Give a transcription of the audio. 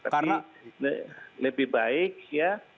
karena lebih baik ya